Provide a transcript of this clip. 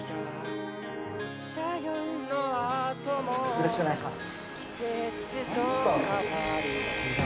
よろしくお願いします。